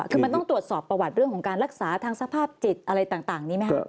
คือมันต้องตรวจสอบประวัติเรื่องของการรักษาทางสภาพจิตอะไรต่างนี้ไหมครับ